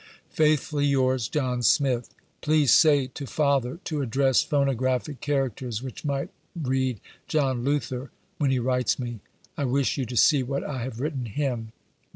"] Faithfully yonrs, JOHN SMITH. Please say to father to address [phonographic characters which might read "John Luther "] when he writes me. I wish you to see what I have written him.